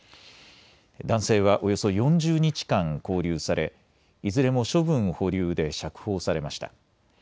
男性はおよそ４０日間勾留されいずれも処分保留で釈放されました。